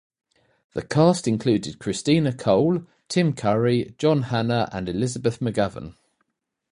The cast included Christina Cole, Tim Curry, John Hannah and Elizabeth McGovern.